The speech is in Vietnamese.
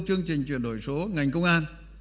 chương trình chuyển đổi số ngành công an